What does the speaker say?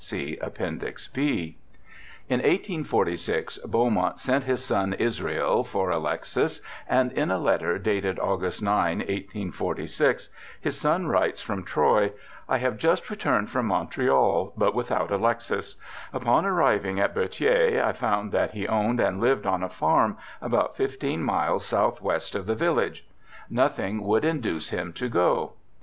(See Appendix B.) In 1846 Beaumont sent his son Israel for Alexis, and in a letter dated August 9, 1846, his son writes from Troy :* I have just returned from Montreal, but without Alexis. Upon arriving at Berthier I found that he owned and lived on a farm about fifteen miles south west of the village.' Nothing would induce him to go.